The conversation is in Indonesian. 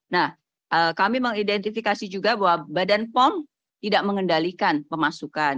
nah kami mengidentifikasi juga bahwa badan pom tidak mengendalikan pemasukan